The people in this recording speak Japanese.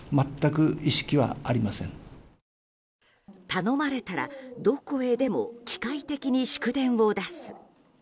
頼まれたらどこへでも機械的に祝電を出す。